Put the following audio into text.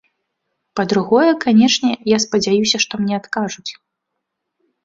Па-другое, канешне, я спадзяюся, што мне адкажуць.